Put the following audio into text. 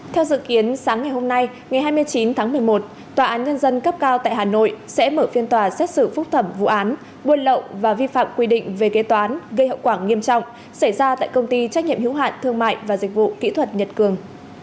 theo dự kiến sáng ngày hôm nay ngày hai mươi chín tháng một mươi một tòa án nhân dân cấp cao tại hà nội sẽ mở phiên tòa xét xử phúc thẩm vụ án buôn lậu và vi phạm quy định về kế toán gây hậu quả nghiêm trọng xảy ra tại công ty trách nhiệm hiếu hạn thương mại và dịch vụ kỹ thuật nhật cường